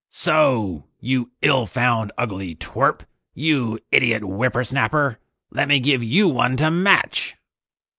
"So you ill found ugly twirp! You idiot whippersnapper! Let me give you one to match!"